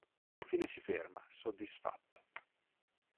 Infine si ferma, soddisfatto.